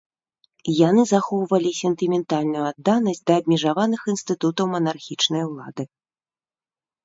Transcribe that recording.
Яны захоўвалі сентыментальную адданасць да абмежаваных інстытутаў манархічнай улады.